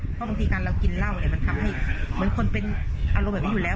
เพราะบางทีการเรากินเหล้าเนี่ยมันทำให้เหมือนคนเป็นอารมณ์แบบนี้อยู่แล้ว